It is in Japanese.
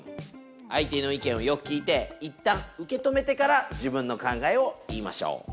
相手の意見をよく聞いていったん受け止めてから自分の考えを言いましょう。